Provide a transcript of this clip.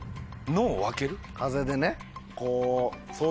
風でねこう。